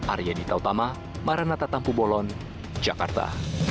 arya dita utama maranata tampu bolon jakarta